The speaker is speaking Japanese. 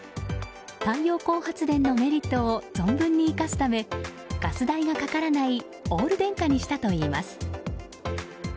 太陽光発電のメリットを存分に生かすためガス代がかからないオール電化にしたといいます。